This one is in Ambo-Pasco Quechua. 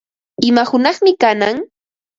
¿Ima hunaqmi kanan?